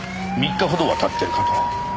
３日ほどは経ってるかと。